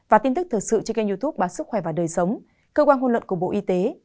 và tin tức thực sự trên kênh youtube bản sức khỏe và đời sống cơ quan hôn luận của bộ y tế